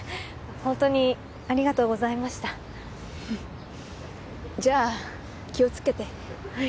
ホントにありがとうございましたじゃあ気をつけてはい